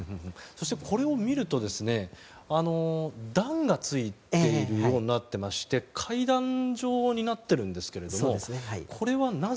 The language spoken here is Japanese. これを見ると段がついているようになっていまして階段状になっているんですけどもこれは、なぜ？